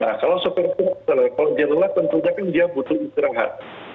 nah kalau sopir kalau dia lelah tentunya kan dia butuh istirahat